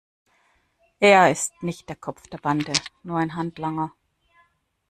Er ist nicht der Kopf der Bande, nur ein Handlanger.